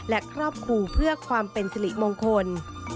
และครอบครูเพื่อความเป็นสิริมงคล